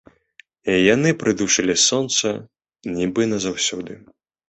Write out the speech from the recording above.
Яны прыдушылі сонца, нібы назаўсёды.